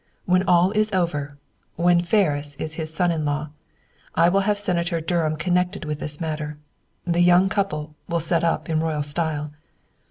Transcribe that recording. When all is over, when Ferris is his son in law, I will have Senator Durham connected with this matter. The young couple will set up in royal style.